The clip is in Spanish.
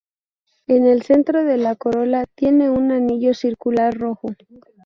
En el centro de la corola tiene un anillo circular rojo.